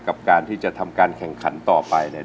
กับการที่จะทำการแข่งขันต่อไปเนี่ย